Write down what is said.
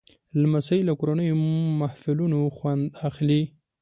لمسی له کورنیو محفلونو خوند اخلي.